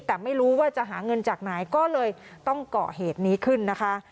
แต่ไม่รู้ว่าจะหาเงินจากไหนก็เลยต้องเกาะเหตุนี้ขึ้นนะคะ